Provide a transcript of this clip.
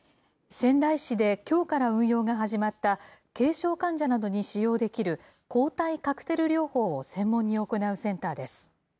仙台市できょうから運用が始まった、軽症患者などに使用できる抗体カクテル療法を専門に行うセンターです。